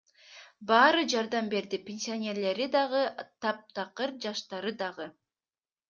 Баары жардам берди — пенсионерлери дагы, таптакыр жаштары дагы.